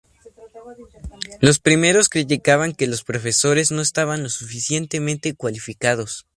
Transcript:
Los primeros criticaban que los profesores no estaban lo suficientemente cualificados.